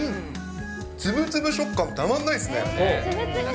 つぶつぶ食感、たまんないですね。